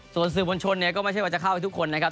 ส่วนสื่อมวลชนเนี่ยก็ไม่ใช่ว่าจะเข้าไปทุกคนนะครับ